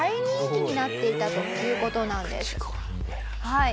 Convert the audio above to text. はい。